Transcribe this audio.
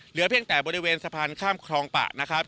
เหลือเพียงแต่บริเวณสะพานข้ามคลองปะนะครับ